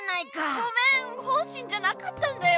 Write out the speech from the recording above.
ゴメン本心じゃなかったんだよ。